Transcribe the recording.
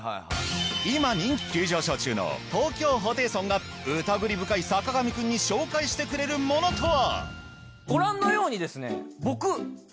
今人気急上昇中の東京ホテイソンがうたぐり深い坂上くんに紹介してくれるものとは。